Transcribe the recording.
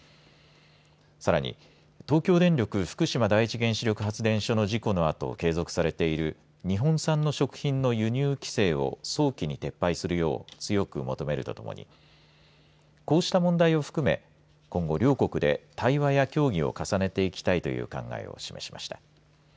さらに、東京電力福島第一原子力発電所の事故のあと継続されている日本産の食品の輸入規制を早期に撤廃するよう強く求めるとともにこうした問題を含め今後、両国で対話や協議を重ねていきたいという考えを示しました。